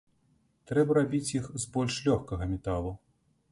Трэба рабіць іх з больш лёгкага металу.